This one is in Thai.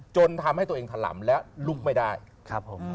จนทำให้ตัวเองถล่ำและลุกไม่ได้ครับผม